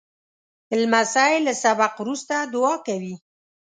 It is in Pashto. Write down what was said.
لمسی له سبق وروسته دعا کوي.